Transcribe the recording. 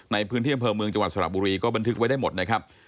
ในพื้นที่อำเภอเมืองจังหวัดสระบุรีก็บันทึกไว้ได้หมดนะครับ